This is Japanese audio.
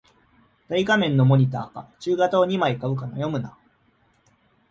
大画面のモニタか中型を二枚買うか悩むな